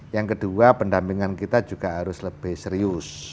yang kedua pendampingan kita juga harus lebih serius